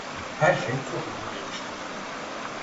Her şey çok hızlı gelişti.